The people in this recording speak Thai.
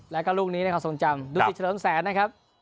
และก็ลูกนี้สงอจำดูสิทธิ์ชรมแสนนะครับ